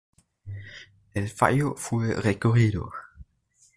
El fallo fue recurrido.